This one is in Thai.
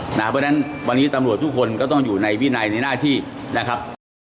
เพราะฉะนั้นวันนี้ตำรวจทุกคนก็ต้องอยู่ในวินัยในหน้าที่นะครับ